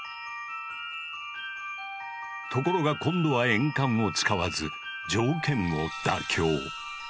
ところが今度は鉛管を使わず条件を妥協。